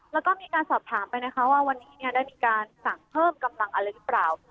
แล้วก็มีการสอบถามไปนะคะว่าวันนี้ได้มีการสั่งเพิ่มกำลังอะไรหรือเปล่า